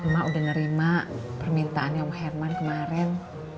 mak udah nerima permintaan om herman kemarin